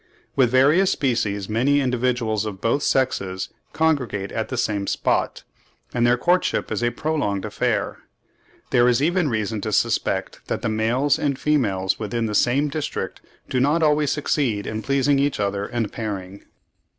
With various species many individuals of both sexes congregate at the same spot, and their courtship is a prolonged affair. There is even reason to suspect that the males and females within the same district do not always succeed in pleasing each other and pairing.